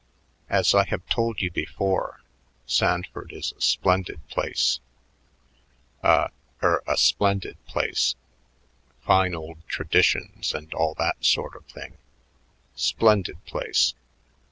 As I have told you before, Sanford is a splendid place, a er, a splendid place. Fine old traditions and all that sort of thing. Splendid place.